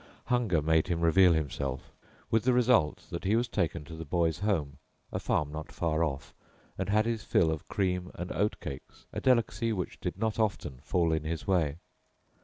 Hunger made him reveal himself, with the result that he was taken to the boy's home, a farm not far off, and had his fill of cream and oatcakes, a delicacy which did not often fall in his way.